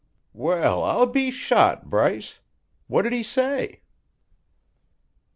"Well, I'll be shot, Bryce! What did he say?"